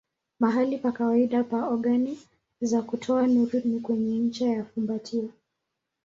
Mahali pa kawaida pa ogani za kutoa nuru ni kwenye ncha ya fumbatio.